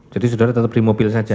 jadi saudara tetap di mobil saja